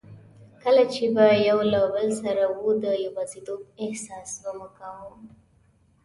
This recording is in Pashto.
کله چي به یو له بل سره وو، د یوازیتوب احساس به مو کاوه.